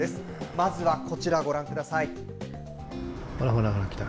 まずはこちらご覧ください。